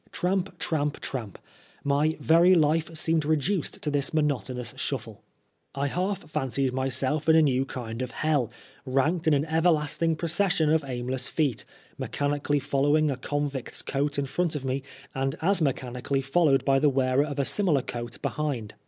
Tramp, tramp, tramp ! My very life seemed reduced to this monotonous shuffle. I half fancied myself in a new kind of hell, ranked in an everlasting procession of aimless feet, mechanically following a convict's coat in front of me, and as mechanically followed by the wearer of a similar coat behind.